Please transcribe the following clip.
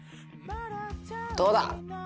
どうだ！